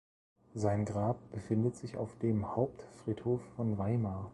Sein Grab befindet sich auf dem Hauptfriedhof von Weimar.